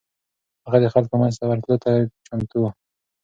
هغه د خلکو منځ ته ورتلو ته چمتو و.